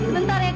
bentar ya kak